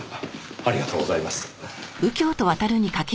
ありがとうございます。